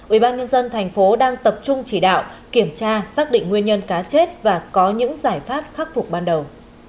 ubnd tp đang tập trung chỉ đạo kiểm tra xác định nguyên nhân cá chết và có những giải pháp khắc phục ban đầu